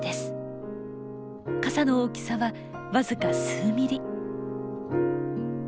傘の大きさは僅か数ミリ。